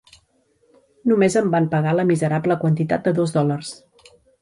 Només em van pagar la miserable quantitat de dos dòlars.